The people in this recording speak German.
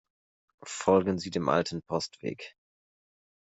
Folgen Sie dem alten Postweg.